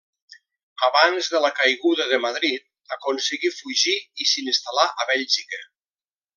Abans de la caiguda de Madrid, aconseguí fugir i s'instal·là a Bèlgica.